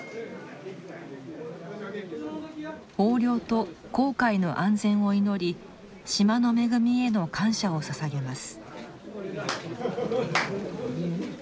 豊漁と航海の安全を祈り島の恵みへの感謝をささげます。